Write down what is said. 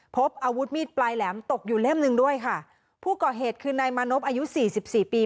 พบอาวุธมีดปลายแหลมตกอยู่เล่มหนึ่งด้วยค่ะผู้ก่อเหตุคือนายมานพอายุสี่สิบสี่ปี